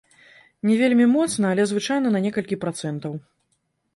Не вельмі моцна, але звычайна на некалькі працэнтаў.